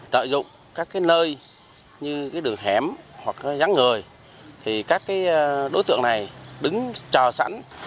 trợ dụng các cái nơi như cái đường hẻm hoặc rắn người thì các cái đối tượng này đứng trò sẵn